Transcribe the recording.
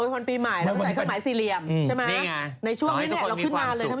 ในช่วงนี้เราขึ้นมาเลยชมขาขึ้นแล้ว